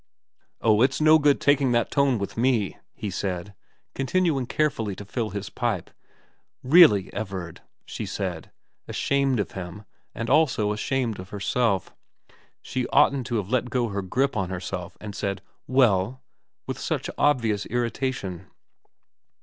' Oh it's no good taking that tone with me,' he said, continuing carefully to fill his pipe. ' Really, Everard,' she said, ashamed of him, but also ashamed of herself. She oughtn't to have let go her grip on herself and said, ' Well ?' with such obvious irritation.